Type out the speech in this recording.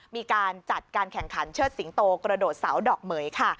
มีการจัดการแข่งขันเชิดสิงโตกระโดดเสาดอกเหม๋ยค่ะ